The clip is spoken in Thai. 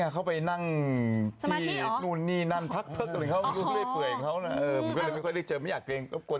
แล้วพี่ไปไหน